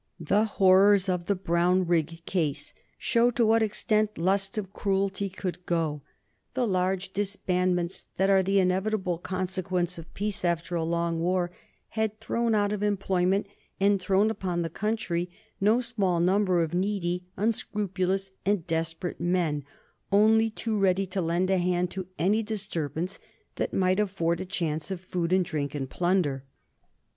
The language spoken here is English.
The horrors of the Brownrigg case show to what extent lust of cruelty could go. The large disbandments that are the inevitable consequence of peace after a long war had thrown out of employment, and thrown upon the country, no small number of needy, unscrupulous, and desperate men, only too ready to lend a hand to any disturbance that might afford a chance of food and drink and plunder.